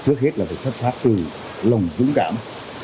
trước hết là phải xuất phát từ lòng dũng cảm